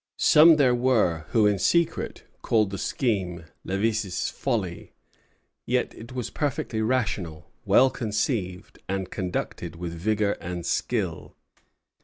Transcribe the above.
Some there were who in secret called the scheme "Lévis' folly;" yet it was perfectly rational, well conceived, and conducted with vigor and skill.